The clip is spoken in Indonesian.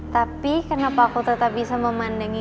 tapi kenapa aku tetap bisa memandangi